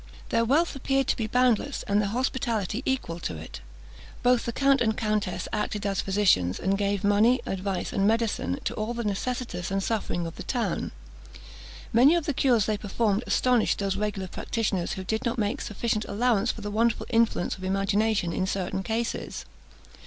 Their wealth appeared to be boundless, and their hospitality equal to it. Both the count and countess acted as physicians, and gave money, advice, and medicine to all the necessitous and suffering of the town. Many of the cures they performed astonished those regular practitioners who did not make sufficient allowance for the wonderful influence of imagination in certain cases.